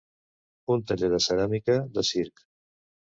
Un taller de ceràmica, de circ.